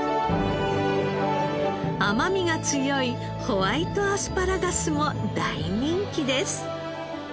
甘みが強いホワイトアスパラガスも大人気です。